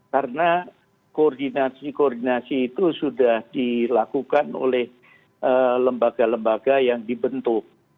karena koordinasi koordinasi itu sudah dilakukan oleh lembaga lembaga yang dibentuk